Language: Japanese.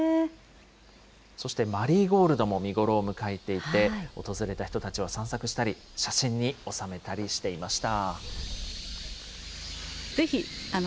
そしてマリーゴールドも見頃を迎えていて、訪れた人たちは散策したり、写真に収めたりしていました。